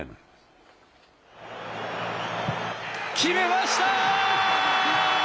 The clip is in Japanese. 決めました！